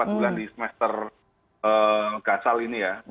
empat bulan di semester gasal ini ya